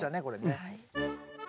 これね。